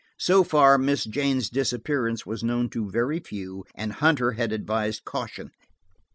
So far, Miss Jane's disappearance was known to very few, and Hunter had advised caution.